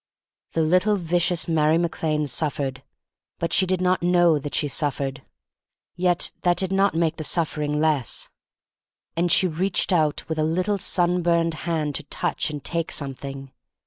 The little vicious Mary Mac Lane suffered, but she did not know that she suffered. Yet that did not make the suffering less. And she reached out with a little sunburned hand to touch and take something.